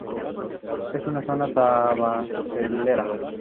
Es una zona tabacalera.